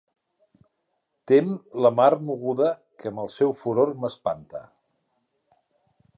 Tem la mar moguda que amb el seu furor m'espanta.